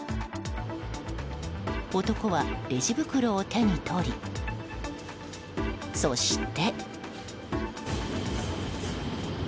男はレジ袋を手に取りそして。